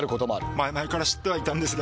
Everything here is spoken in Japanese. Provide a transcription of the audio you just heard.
前々から知ってはいたんですが。